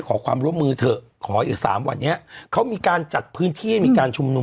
ขอความร่วมมือเถอะขออีกสามวันนี้เขามีการจัดพื้นที่ให้มีการชุมนุม